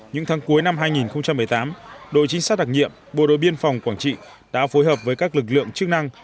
những tháng cuối năm hai nghìn một mươi tám đội trinh sát đặc nhiệm bộ đội biên phòng quảng trị đã phối hợp với các lực lượng chức năng